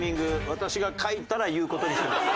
私が書いたら言う事にします。